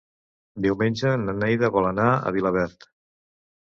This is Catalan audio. Diumenge na Neida vol anar a Vilaverd.